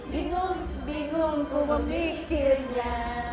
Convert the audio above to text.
bingung bingung ku memikirnya